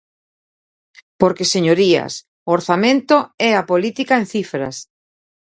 Porque, señorías, o orzamento é a política en cifras.